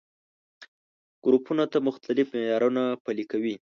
ګروپونو ته مختلف معيارونه پلي کوي.